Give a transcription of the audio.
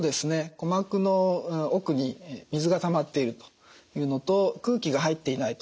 鼓膜の奥に水がたまっているというのと空気が入っていないと。